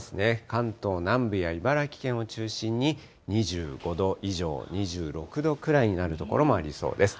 関東南部や茨城県を中心に２５度以上、２６度くらいになる所もありそうです。